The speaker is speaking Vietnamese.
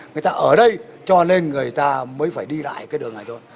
người ta ở đây cho lên người ta mới phải đi lại cái đường này thôi